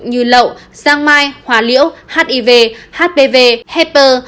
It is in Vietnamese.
như lậu giang mai hòa liễu hiv hpv hepa